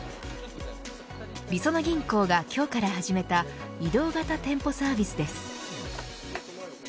りそな銀行が今日から始めた移動型店舗サービスです。